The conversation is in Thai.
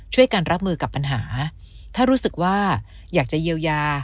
การรับมือกับปัญหาถ้ารู้สึกว่าอยากจะเยียวยา